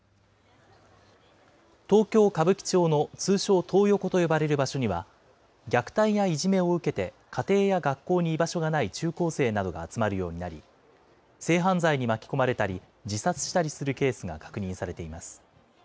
東京・歌舞伎町の通称トー横と呼ばれる場所には、虐待やいじめを受けて家庭や学校に居場所がない中高生などが集まるようになり、性犯罪に巻き込まれたり、自殺したりケースが確認されています。